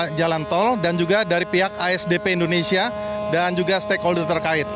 dari jalan tol dan juga dari pihak asdp indonesia dan juga stakeholder terkait